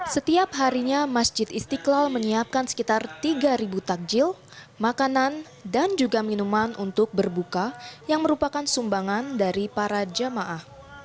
setiap harinya masjid istiqlal menyiapkan sekitar tiga takjil makanan dan juga minuman untuk berbuka yang merupakan sumbangan dari para jamaah